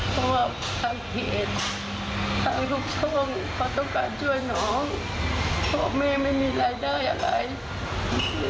ความดันหวานป่ายหจังความกระดูกเสือม